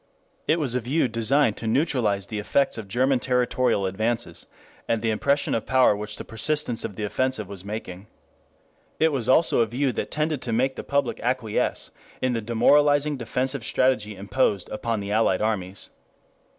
It was a view designed to neutralize the effects of German territorial advances and the impression of power which the persistence of the offensive was making. It was also a view that tended to make the public acquiesce in the demoralizing defensive strategy imposed upon the Allied armies.